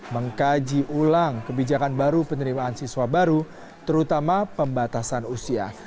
mengkaji ulang kebijakan baru penerimaan siswa baru terutama pembatasan usia